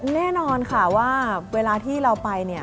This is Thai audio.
แน่นอนค่ะว่าเวลาที่เราไป